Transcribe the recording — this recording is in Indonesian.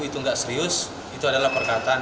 itu nggak serius itu adalah perkataan